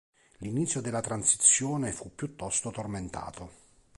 L'inizio della transizione fu piuttosto tormentato.